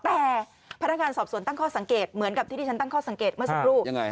แต่พนักงานสอบสวนตั้งข้อสังเกตเหมือนกับที่ที่ฉันตั้งข้อสังเกตเมื่อสักครู่